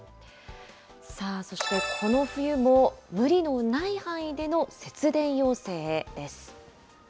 さあ、そしてこの冬も無理のない範囲での節電要請へです。